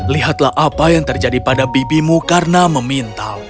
lihatlah apa yang terjadi pada bibimu karena meminta